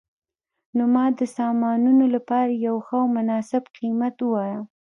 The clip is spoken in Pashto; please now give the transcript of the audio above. نو ما د سامانونو لپاره یو ښه او مناسب قیمت وواایه